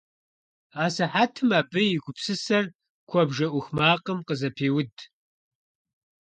Асыхьэтым абы и гупсысэр куэбжэ Iух макъым къызэпеуд.